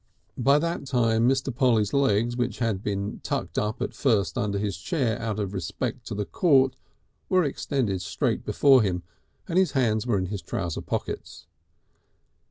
By that time Mr. Polly's legs, which had been tucked up at first under his chair out of respect to the court, were extended straight before him and his hands were in his trouser pockets.